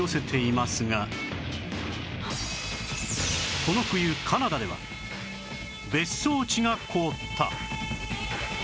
この冬カナダでは別荘地が凍った